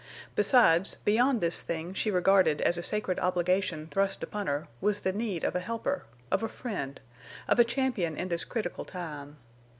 Besides, beyond this thing she regarded as a sacred obligation thrust upon her, was the need of a helper, of a friend, of a champion in this critical time.